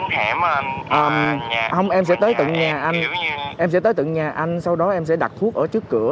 hẹn ông em sẽ tới tận nhà anh em sẽ tới tận nhà anh sau đó em sẽ đặt thuốc ở trước cửa